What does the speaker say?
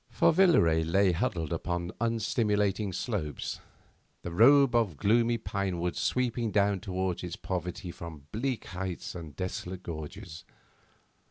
For Villaret lay huddled upon unstimulating slopes, the robe of gloomy pine woods sweeping down towards its poverty from bleak heights and desolate gorges.